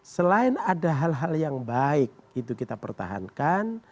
selain ada hal hal yang baik itu kita pertahankan